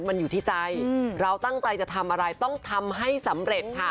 มันอยู่ที่ใจเราตั้งใจจะทำอะไรต้องทำให้สำเร็จค่ะ